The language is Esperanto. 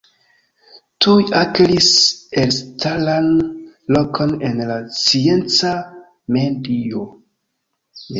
Tuj akiris elstaran lokon en la scienca medio.